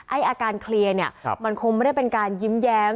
อาการเคลียร์เนี่ยมันคงไม่ได้เป็นการยิ้มแย้ม